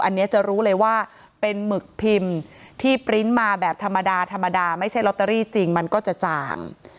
อันนี้จะรู้เลยว่าเป็นหมึกพิมพ์ที่ปริ้นต์มาแบบธรรมดาธรรมดาไม่ใช่ลอตเตอรี่จริงมันก็จะจ่าง